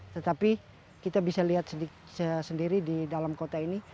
tetapi kita bisa lihat sendiri di dalam kota ini